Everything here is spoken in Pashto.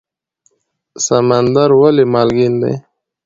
سمندر ولې مالګین دی؟